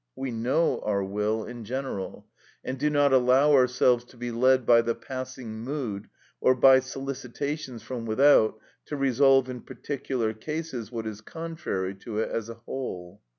We know our will in general, and do not allow ourselves to be led by the passing mood or by solicitations from without to resolve in particular cases what is contrary to it as a whole.